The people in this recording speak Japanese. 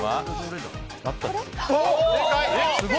正解！